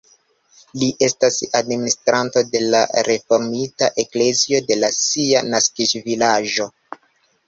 Li estas administranto de la reformita eklezio de sia naskiĝvilaĝo.